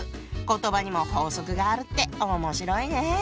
言葉にも法則があるって面白いね。